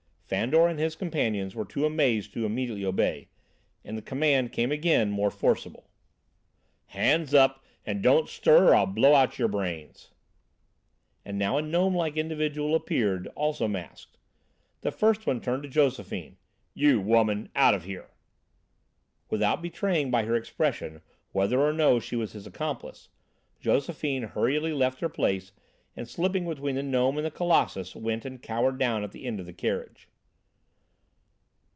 Fandor and his companions were too amazed to immediately obey, and the command came again, more forcible. "Hands up, and don't stir or I'll blow out your brains." And now a gnome like individual appeared, also masked. The first one turned to Josephine: "You, woman, out of here!" Without betraying by her expression whether or no she was his accomplice, Josephine hurriedly left her place and, slipping between the gnome and the colossus, went and cowered down at the end of the carriage.